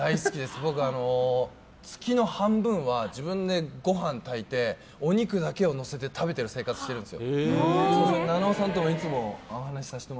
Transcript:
僕、月の半分は自分でご飯を炊いてお肉だけをのせて食べてる生活をしているんですよ。